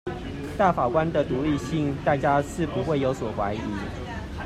大法官的獨立性大家是不會有所懷疑